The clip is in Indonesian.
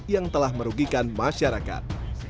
yang telah merugikan masyarakat